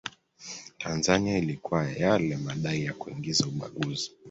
Tanzania ilikuwa yale madai ya kuingiza ubaguzi